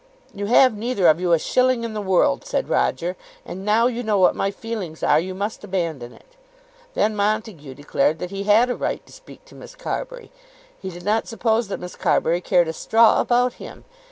"You have neither of you a shilling in the world," said Roger; "and now you know what my feelings are you must abandon it." Then Montague declared that he had a right to speak to Miss Carbury. He did not suppose that Miss Carbury cared a straw about him.